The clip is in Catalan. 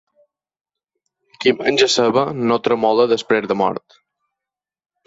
Qui menja ceba no tremola després de mort.